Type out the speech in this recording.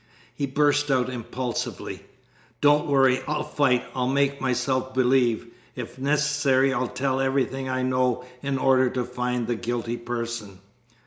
He burst out impulsively: "Don't worry. I'll fight. I'll make myself believe. If necessary I'll tell everything I know in order to find the guilty person."